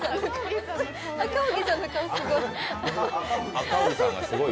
赤荻さんの顔がすごい。